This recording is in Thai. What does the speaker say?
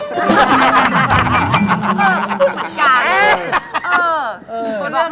ก็พูดเหมือนกัน